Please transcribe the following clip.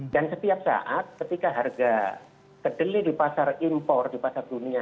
dan setiap saat ketika harga kedelai di pasar impor di pasar dunia